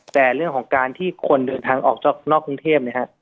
แต่เรื่องของการที่คนเดินทางออกนอกกรุงเทพนะครับ